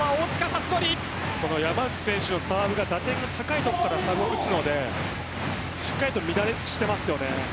山内選手のサーブ打点が高いところから打つのでしっかりと乱してますよね。